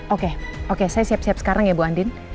oke oke saya siap siap sekarang ya bu andin